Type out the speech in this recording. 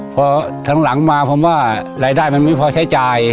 พอครั้งหลังมาผมว่ารายได้มันไม่พอใช้จ่าย